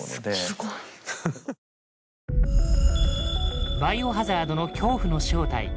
すごい！「バイオハザード」の恐怖の正体。